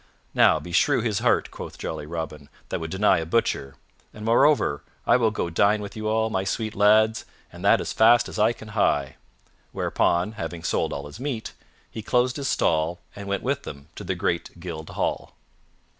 "Now, beshrew his heart," quoth jolly Robin, "that would deny a butcher. And, moreover, I will go dine with you all, my sweet lads, and that as fast as I can hie." Whereupon, having sold all his meat, he closed his stall and went with them to the great Guild Hall.